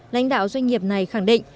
lãnh đạo doanh nghiệp này khẳng định